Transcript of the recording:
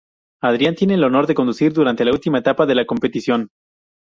Adrián tiene el honor de conducir durante la última etapa de la competición.